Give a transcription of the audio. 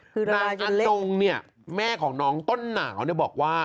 คือราดาจังเล็กนางอันตรงเนี่ยแม่ของน้องต้นหนาวบอกว่า